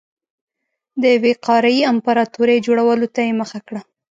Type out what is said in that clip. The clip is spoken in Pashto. د یوې قاره يي امپراتورۍ جوړولو ته یې مخه کړه.